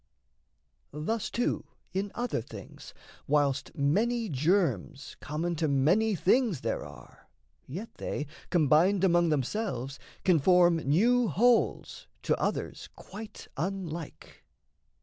Thus, too, in other things, Whilst many germs common to many things There are, yet they, combined among themselves, Can form new wholes to others quite unlike.